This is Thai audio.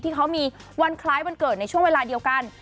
ที่เขามีวันคล้ายวันเกิดในช่วงเวลาเดียวกัน